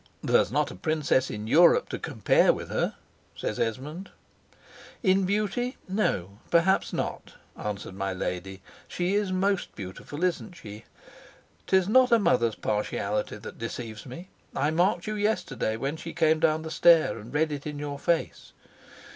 "There's not a princess in Europe to compare with her," says Esmond. "In beauty? No, perhaps not," answered my lady. "She is most beautiful, isn't she? 'Tis not a mother's partiality that deceives me. I marked you yesterday when she came down the stair: and read it in your face.